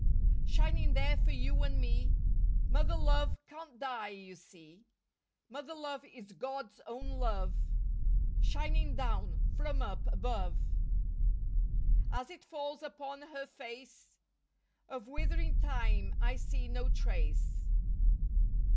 Shining there for you and me, Mother love can't die, you see. Mother love is God's own love. Shining down from up above. As it falls upon her face Of withering time I see no trace.